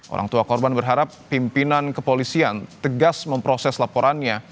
orang tua korban berharap pimpinan kepolisian tegas memproses laporannya